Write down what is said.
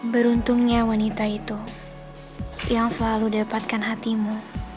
beruntungnya wanita itu yang selalu dapatkan hatimu